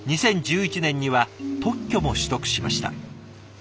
２０１１年には特許も取得しました。